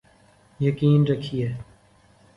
یقین رکھیے۔